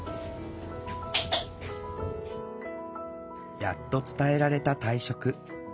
やっと伝えられた退職。